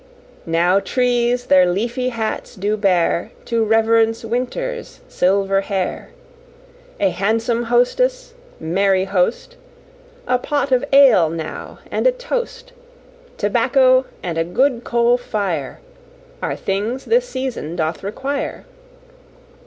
"Now trees their leafy hats do bare, To reverence Winter's silver hair; A handsome hostess, merry host, A pot of ale now and a toast, Tobacco and a good coal fire, Are things this season doth require."